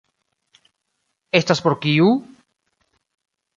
Estas por kiu?